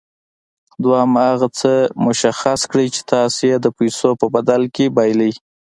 دويم هغه څه مشخص کړئ چې تاسې يې د پیسو په بدل کې بايلئ.